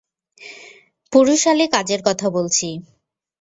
পুরুষালী কাজের কথা বলছি।